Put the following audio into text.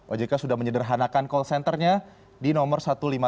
ojk sudah menyederhanakan call centernya di nomor satu ratus lima puluh